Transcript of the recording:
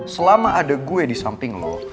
selama ada gue disamping lo